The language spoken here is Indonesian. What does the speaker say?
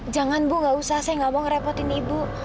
jangan bu gak usah saya nggak mau ngerepotin ibu